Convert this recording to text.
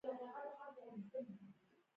ډونرانو د یادو مواردو لپاره د مرستو تعهد وکړ.